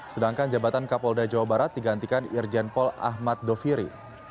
sedangkan jabatan kapolda jawa barat digantikan irjen pol ahmad doviri